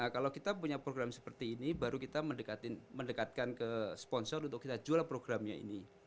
kalau kita punya program seperti ini baru kita mendekatkan ke sponsor untuk kita jual programnya ini